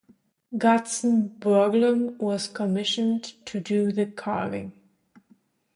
Gutzon Borglum was commissioned to do the carving.